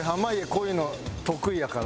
こういうの得意やから。